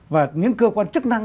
và những cơ quan chức năng